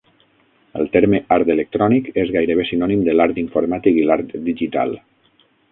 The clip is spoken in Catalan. El terme "art electrònic" és gairebé sinònim de l'art informàtic i l'art digital.